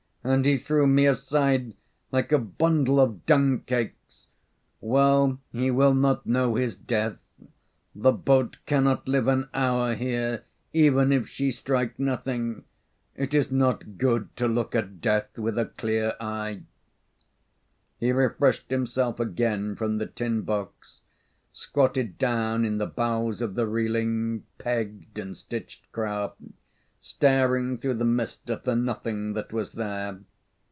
"And he threw me aside like a bundle of dung cakes. Well, he will not know his death. The boat cannot live an hour here even if she strike nothing. It is not good to look at death with a clear eye." He refreshed himself again from the tin box, squatted down in the bows of the reeling, pegged, and stitched craft, staring through the mist at the nothing that was there.